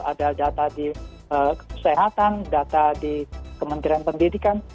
ada data di kesehatan data di kementerian pendidikan